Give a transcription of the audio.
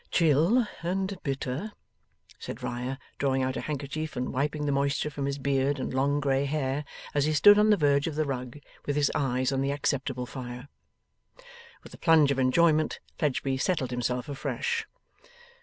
'Chill and bitter,' said Riah, drawing out a handkerchief, and wiping the moisture from his beard and long grey hair as he stood on the verge of the rug, with his eyes on the acceptable fire. With a plunge of enjoyment, Fledgeby settled himself afresh.